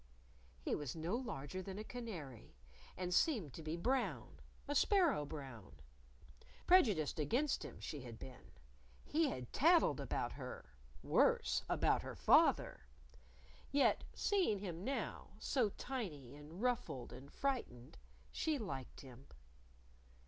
He was no larger than a canary; and seemed to be brown a sparrow brown. Prejudiced against him she had been. He had tattled about her worse, about her father. Yet seeing him now, so tiny and ruffled and frightened, she liked him.